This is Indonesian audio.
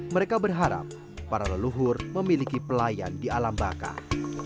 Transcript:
mereka berharap para leluhur memiliki pelayan di alam bakar